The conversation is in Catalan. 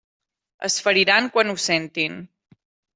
Es feriran quan ho sentin.